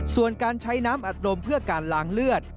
ส่วนการใช้น้ำอัดลมเพื่อการล้างเลือด